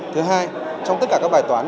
thứ hai trong tất cả các bài toán